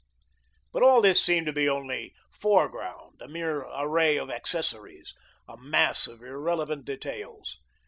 But all this seemed to be only foreground, a mere array of accessories a mass of irrelevant details.